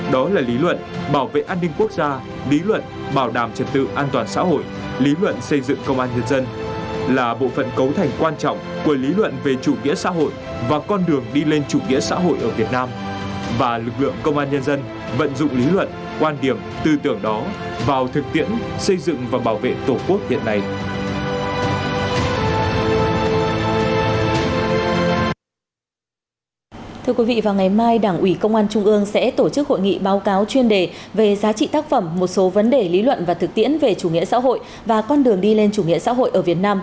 đó là lý luận bảo vệ an ninh quốc gia lý luận bảo đảm trật tự an toàn xã hội lý luận xây dựng công an nhân dân là bộ phận cấu thành quan trọng của lý luận về chủ nghĩa xã hội và con đường đi lên chủ nghĩa xã hội ở việt nam